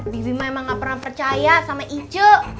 bibi memang gak pernah percaya sama icu